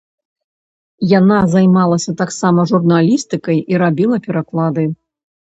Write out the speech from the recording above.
Яна займалася таксама журналістыкай і рабіла пераклады.